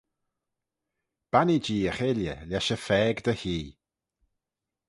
Bannee-jee y cheilley lesh y phaag dy hee.